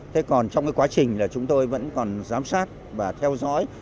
thế còn trong cái quá trình là chúng tôi vẫn còn giám sát và theo dõi